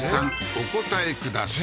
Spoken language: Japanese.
お答えください